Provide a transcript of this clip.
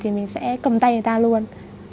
thì mình sẽ cầm tay người ta luôn